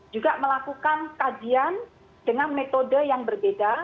juga melakukan kajian dengan metode yang berbeda